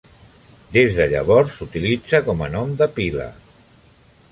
Des de llavors, s'utilitza com a nom de pila.